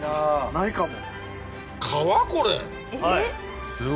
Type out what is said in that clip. ないかも。